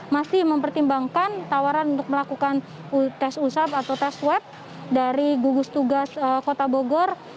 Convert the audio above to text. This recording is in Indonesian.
masih mempertimbangkan tawaran untuk melakukan tes usap atau tes swab dari gugus tugas kota bogor